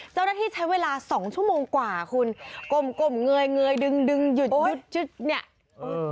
เจ้าหน้าที่ใช้เวลาสองชั่วโมงกว่าคุณกลมกลมเงยเงยดึงดึงหยุดยึดยึดเนี่ยเออ